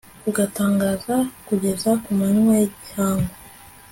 ugatangaza kugeza ku manywa y'ihangu